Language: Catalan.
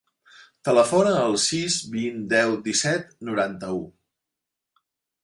Telefona al sis, vint, deu, disset, noranta-u.